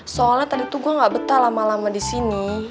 soalnya tadi tuh gue gak betah lama lama disini